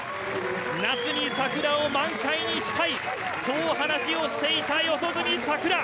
夏に桜を満開にしたいそう話をしていた四十住さくら